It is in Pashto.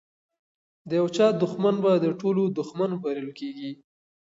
د یو چا دښمن به د ټولو دښمن بلل کیږي.